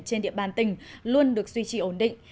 trên địa bàn tỉnh luôn được duy trì ổn định